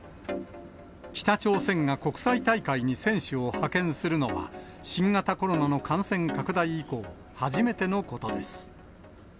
北朝鮮が国際大会に選手を派遣するのは、新型コロナの感染拡大以降、初めてのことです。